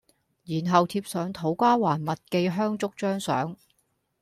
然後貼上土瓜灣麥記香燭張相